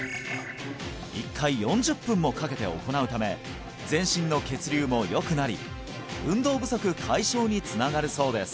１回４０分もかけて行うため全身の血流も良くなり運動不足解消につながるそうです